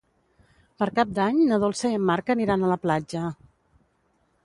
Per Cap d'Any na Dolça i en Marc aniran a la platja.